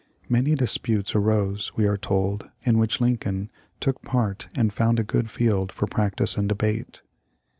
Many disputes arose, we are told, in which Lincoln took part and found a good field for practice and debate.